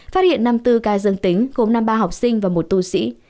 phát hiện năm mươi bốn ca dương tính gồm năm mươi ba học sinh và một tù sĩ